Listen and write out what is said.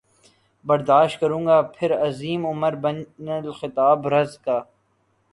برداشت کروں گا پھر عظیم عمر بن الخطاب رض کا